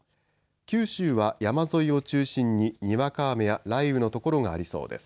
九州は山沿いを中心ににわか雨や雷雨の所がありそうです。